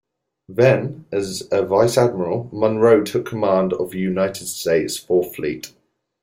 Then, as a vice admiral, Munroe took command of the United States Fourth Fleet.